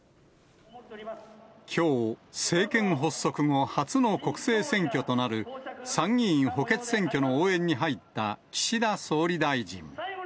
きょう、政権発足後、初の国政選挙となる参議院補欠選挙の応援に入った岸田総理大臣。